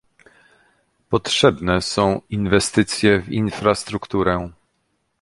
Potrzebne są inwestycje w infrastrukturę